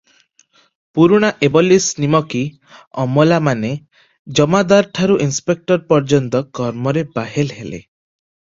ପୁରୁଣା ଏବାଲିଶ ନିମକୀ ଅମଲାମାନେ ଜମାଦାରଠାରୁ ଇନସପେକ୍ଟର ପର୍ଯ୍ୟନ୍ତ କର୍ମରେ ବାହେଲ ହେଲେ ।